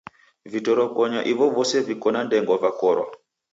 Vitorokonya ivovose viko na ndengwa vakorwa.